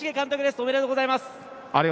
ありがとうございます。